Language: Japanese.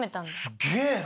すげえな！